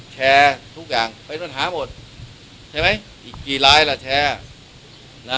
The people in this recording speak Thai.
แชร์ทุกอย่างไปทุกที่มันหาหมดใช่ไหมอีกกี่ลายละแชร์